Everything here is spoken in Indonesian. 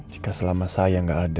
jika selama saya nggak ada